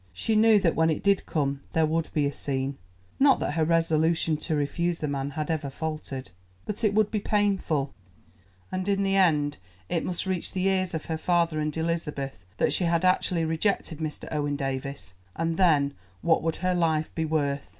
She knew that when it did come there would be a scene. Not that her resolution to refuse the man had ever faltered. But it would be painful, and in the end it must reach the ears of her father and Elizabeth that she had actually rejected Mr. Owen Davies, and then what would her life be worth?